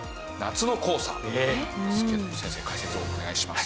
ですけども先生解説をお願いします。